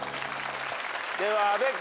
では阿部君。